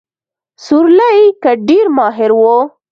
سورلۍ کې ډېر ماهر وو.